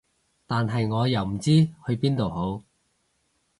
但係我又唔知去邊度好